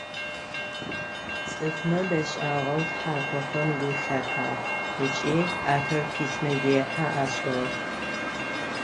Цӏыфхэм бэшӏагъэу тхьаркъохэм гу лъатагъ ыкӏи ахэр письмэзехьэ ашӏыгъэх.